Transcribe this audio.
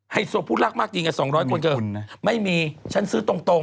โซผู้รักมากดีไง๒๐๐คนเธอไม่มีฉันซื้อตรง